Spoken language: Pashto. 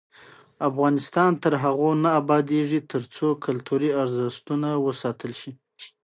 افغانستان تر هغو نه ابادیږي، ترڅو کلتوري ارزښتونه وساتل شي.